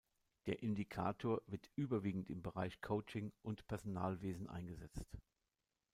Der Indikator wird überwiegend im Bereich Coaching und Personalwesen eingesetzt.